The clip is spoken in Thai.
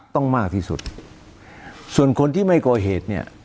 มากที่สุดส่วนคนที่ไม่ก่อเหตุเนี่ย